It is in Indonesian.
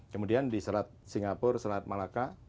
kemudian di selat singapura selat malaka